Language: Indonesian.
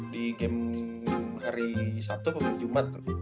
di game hari sabtu maupun jumat